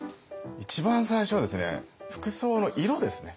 一番最初はですね服装の色ですね。